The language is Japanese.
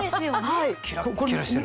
キラッキラしてる。